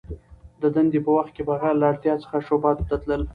د دندي په وخت کي بغیر له اړتیا څخه شعباتو ته تلل .